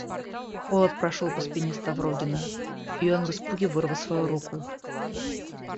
Холод прошел по спине Ставрогина, и он в испуге вырвал свою руку.